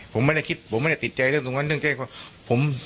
ผมไม่ได้คิดผมไม่ได้ติดใจเรื่องตรงนั้นเรื่องแจ้งความ